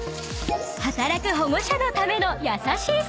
［働く保護者のための優しいサービス］